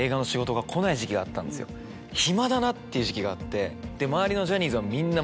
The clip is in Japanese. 暇だなっていう時期があって。